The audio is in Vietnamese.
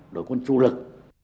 đối quân chủ lực